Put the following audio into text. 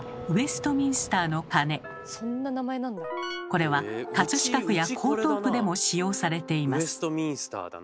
これは飾区や江東区でも使用されています。